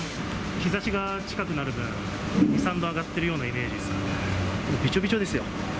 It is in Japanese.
日ざしが近くなる分、２、３度上がってるようなイメージですよね。